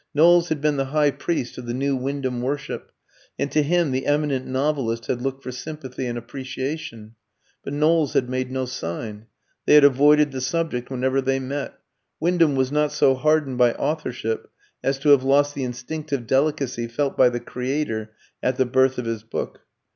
Knowles had been the high priest of the new Wyndham worship, and to him the eminent novelist had looked for sympathy and appreciation. But Knowles had made no sign. They had avoided the subject whenever they met; Wyndham was not so hardened by authorship as to have lost the instinctive delicacy felt by the creator at the birth of his book.